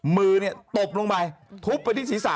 มือตบลงไปทุบไปที่ศีรษะ